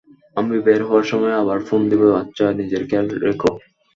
আমি বের হওয়ার সময় আবার ফোন দিবো আচ্ছা, নিজের খেয়াল রেখো।